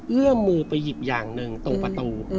เอื้อมมือไปหยิบอย่างหนึ่งตรงประตู